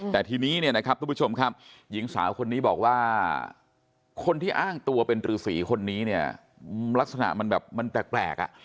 แต่ทีนี้เนี่ยนะครับทุกผู้ชมครับหญิงสาวคนนี้บอกว่าคนที่อ้างตัวเป็นรือสีคนนี้เนี่ยลักษณะมันแบบมันแปลกอ่ะ